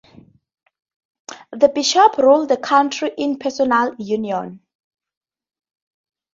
The bishops ruled the county in personal union.